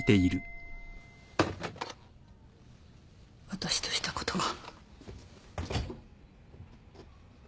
・私としたことが。